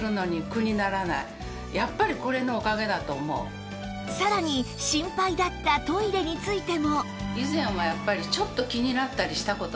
さらにさらに心配だったトイレについても